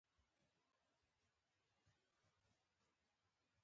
بادام د افغانستان د پوهنې په نصاب کې شامل دي.